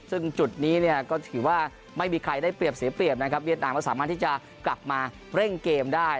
ซึ่งจุดนี้เนี่ยก็ถือว่าไม่มีใครได้เปรียบเสียเปรียบนะครับเวียดนามก็สามารถที่จะกลับมาเร่งเกมได้